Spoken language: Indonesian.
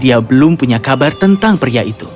ia belum punya kabar tentang pria itu